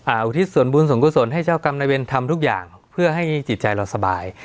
อุทิศส่วนบุญส่วนกุศลให้เจ้ากรรมนายเวรทำทุกอย่างเพื่อให้จิตใจเราสบาย